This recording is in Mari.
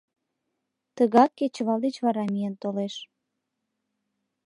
Тыгак кечывал деч вара миен толеш.